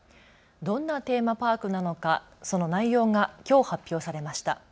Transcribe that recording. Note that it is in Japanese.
どんなテーマパークなのかその内容がきょう発表されました。